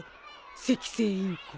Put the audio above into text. セキセイインコ。